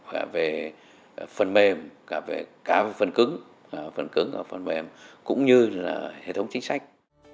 cả về phần mềm cả về cả phần cứng phần cứng cả phần mềm cũng như là hệ thống chính sách